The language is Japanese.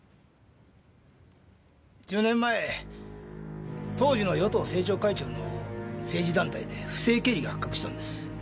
１０年前当時の与党政調会長の政治団体で不正経理が発覚したんです。